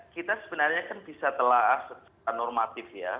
kita sebenarnya kan bisa telah secara normatif ya